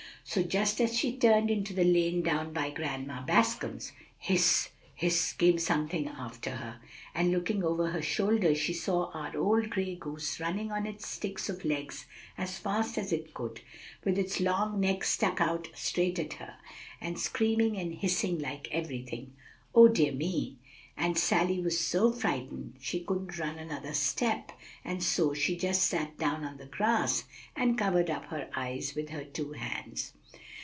"So just as she turned into the lane down by Grandma Bascom's, 'Hiss hiss!' came something after her; and looking over her shoulder, she saw our old gray goose running on its sticks of legs as fast as it could, with its long neck stuck out straight at her, and screaming and hissing like everything. Oh, dear me! and Sally was so frightened she couldn't run another step; and so she just sat down on the grass, and covered up her eyes with her two hands."